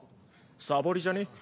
サボりじゃね？